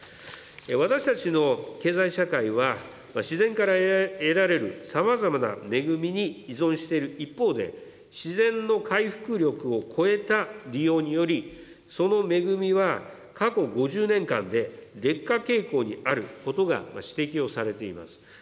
私たちの経済社会は、自然から得られるさまざまな恵みに依存している一方で、自然の回復力を超えた利用により、その恵みは過去５０年間で劣化傾向にあることが指摘をされています。